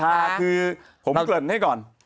คือผมเกริ่นให้ก่อน